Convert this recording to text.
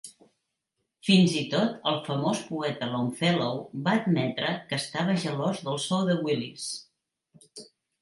Fins i tot el famós poeta Longfellow va admetre que estava gelós del sou de Willis.